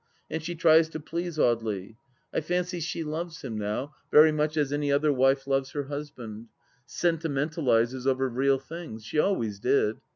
And she tries to please Audely. I fancy she loves him now, very much as any other wife loves her husband. Sentimentalizes over real things ; she always did.